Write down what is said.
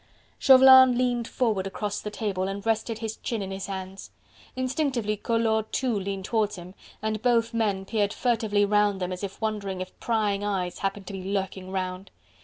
Chauvelin leaned forward across the table and rested his chin in his hands; instinctively Collot too leaned towards him, and both men peered furtively round them as if wondering if prying eyes happened to be lurking round.